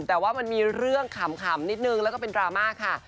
แต่ว่ามันมีเรื่องขำนิดนึงแล้วก็เป็นดราม่าค่ะ